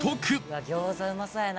うわっ餃子うまそうやな。